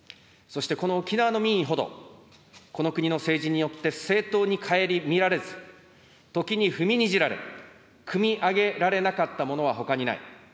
そしてこの沖縄の民意ほど、この国の政治によって正当に顧みられず、時に踏みにじられ、くみ上げられなかったものはほかにない。